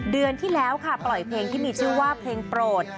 เดือนที่แล้วค่ะปล่อยเพลงที่มีชื่อว่าเพลงโปรด